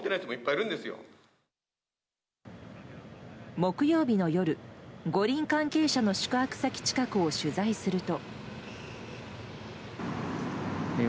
木曜日の夜、五輪関係者の宿泊先近くを取材すると。